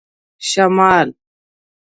شمال